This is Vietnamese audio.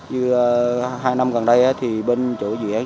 như hai năm gần đây thì bên chỗ dự án